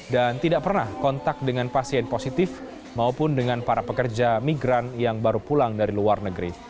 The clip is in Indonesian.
dan tidak pernah kontak dengan pasien positif maupun dengan para pekerja migran yang baru pulang dari luar negeri